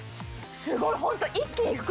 すごい！ホント。